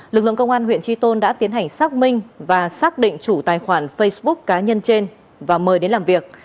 lực lượng công an huyện tri tôn đã tiến hành xác minh và xác định chủ tài khoản facebook cá nhân trên và mời đến làm việc